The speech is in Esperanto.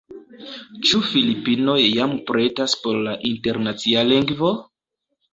Ĉu Filipinoj jam pretas por la Internacia Lingvo?